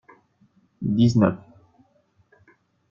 Dix-neuf.